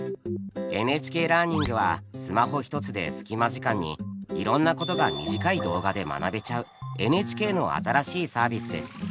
「ＮＨＫラーニング」はスマホ１つで隙間時間にいろんなことが短い動画で学べちゃうＮＨＫの新しいサービスです。